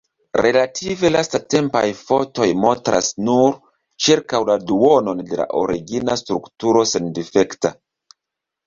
Relative lastatempaj fotoj montras nur ĉirkaŭ la duonon de la origina strukturo sendifekta.